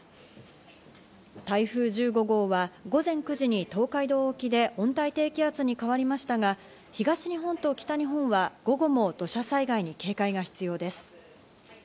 台風１５号は午前９時に東海道沖で温帯低気圧に変わりましたが東日本と北日本は午後も土砂災害に警戒が必要です。